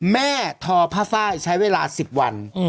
ทอผ้าไฟใช้เวลา๑๐วัน